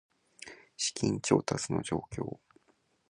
資金調達の状況